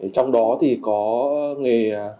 trong đó thì có nghề